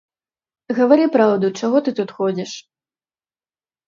Гавары праўду, чаго ты тут ходзіш?